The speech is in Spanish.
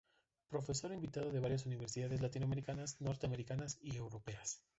Profesor invitado de varias universidades latinoamericanas, norteamericanas y europeas.